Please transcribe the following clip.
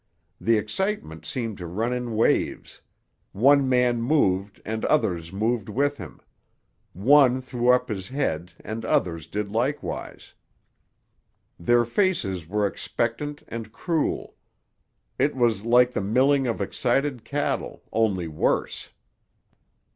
The excitement seemed to run in waves; one man moved and others moved with him. One threw up his head and others did likewise. Their faces were expectant and cruel. It was like the milling of excited cattle, only worse.